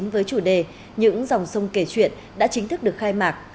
với chủ đề những dòng sông kể chuyện đã chính thức được khai mạc